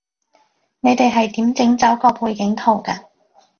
你哋係點整走個背景圖㗎